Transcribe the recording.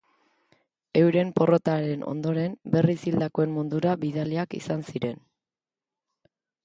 Euren porrotaren ondoren berriz hildakoen mundura bidaliak izan ziren.